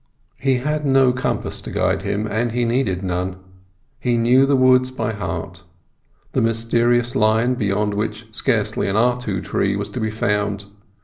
He had no compass to guide him, and he needed none. He knew the woods by heart. The mysterious line beyond which scarcely an artu tree was to be found.